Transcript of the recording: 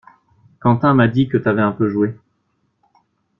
Quentin m'a dit que t'avais un peu joué?